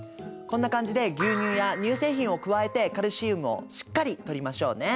こんな感じで牛乳や乳製品を加えてカルシウムをしっかりとりましょうね。